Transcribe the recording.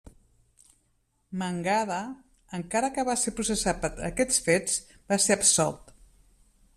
Mangada, encara que va ser processat per aquests fets, va ser absolt.